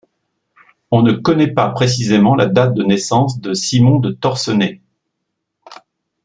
On ne connaît pas précisément la date de naissance de Simon de Torcenay.